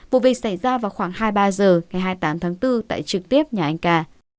vụ việc xảy ra vào khoảng hai mươi ba h ngày hai mươi tám tháng bốn tại trực tiếp nhà anh ca